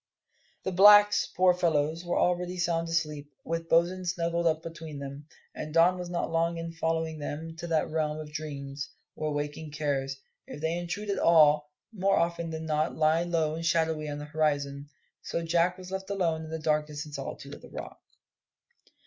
The blacks, poor fellows, were already sound asleep, with Bosin snuggled up between them; and Don was not long in following them into that realm of dreams, where waking cares, if they intrude at all, more often than not lie low and shadowy on the horizon. So Jack was left alone in the darkness and solitude of the Rock.